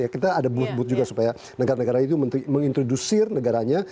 kita ada booth booth juga supaya negara negara itu mengintrodusir negaranya